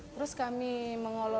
terus kami mengelola sendiri